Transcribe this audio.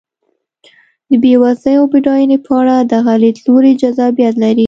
د بېوزلۍ او بډاینې په اړه دغه لیدلوری جذابیت لري.